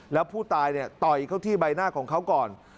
แล้วผู้ตายเนี่ยต่อยเขาที่ใบหน้าของเขาก่อน